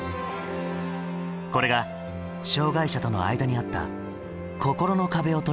これが障害者との間にあった心の壁を取り払うきっかけとなる。